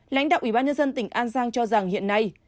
lãnh đạo ủy ban nhân dân tỉnh an giang cho rằng hiện nay